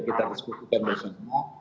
kita diskusikan bersama